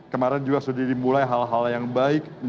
kemarin juga sudah dimulai hal hal yang baik